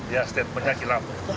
ya statementnya kilaf